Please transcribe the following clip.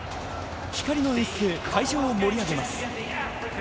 光の演出で会場を盛り上げます。